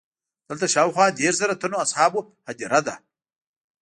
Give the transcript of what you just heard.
دلته د شاوخوا دېرش زره تنو اصحابو هدیره ده.